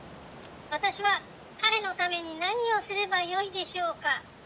私は彼のために何をすればよいでしょうか？』。